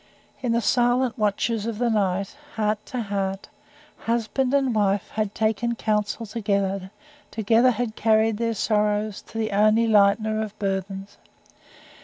In the silent watches of the night, heart to heart, husband and wife had taken council together; together had carried their sorrow to the only Lightener of burthens.